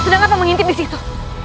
sudah kenapa mengintip disitu